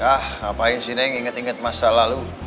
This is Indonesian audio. yah apain sih nih inget inget masa lalu